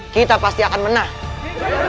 kita pasti akan menang